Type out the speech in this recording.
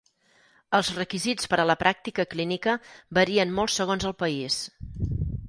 Els requisits per a la pràctica clínica varien molt segons el país.